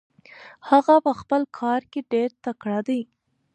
هغه په خپل کار کې ډېر تکړه دی.